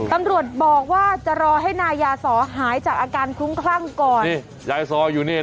ตำรวจบอกว่าจะรอให้นายยาสอหายจากอาการคลุ้มคลั่งก่อนนี่ยายซออยู่นี่